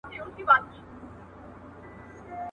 الله تعالی به دغه پلار جنت ته داخل کړي.